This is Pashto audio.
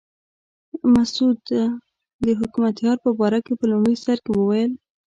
مسعود د حکمتیار په باره کې په لومړي سر کې وویل.